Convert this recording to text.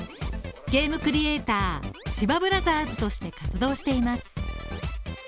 ゲームクリエイター、千葉ブラザーズとして活動しています。